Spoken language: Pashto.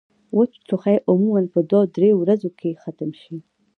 وچ ټوخی عموماً پۀ دوه درې ورځې کښې ختم شي